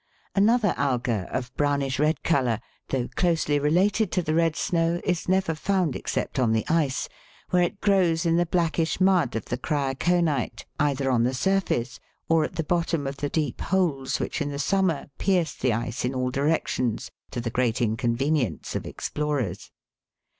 Another alga of a brownish red colour, though closely related to the red snow, is never found except on the ice, where it grows in the blackish mud of the kryokonit either on the surface or at the bottom of the deep holes which, in the summer, pierce the ice in all directions to the great inconvenience of explorers.